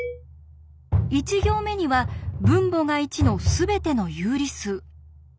１行目には分母が１のすべての有理数。